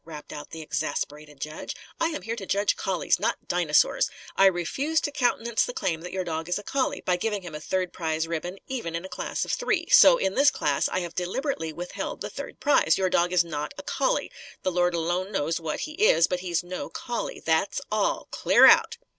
rapped out the exasperated judge. "I am here to judge collies, not dinosaurs. I refuse to countenance the claim that your dog is a collie, by giving him a third prize ribbon; even in a class of three. So, in this class, I have deliberately withheld the third prize. Your dog is not a collie. The Lord alone knows what he is, but he's no collie. That's all. Clear out!"